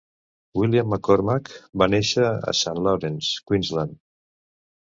William McCormack va néixer a St Lawrence, Queensland.